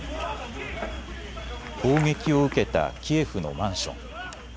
砲撃を受けたキエフのマンション。